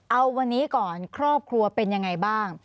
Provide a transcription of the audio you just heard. เอาวันนี้ก่อนครอบครัวเป็นยังไงบ้าง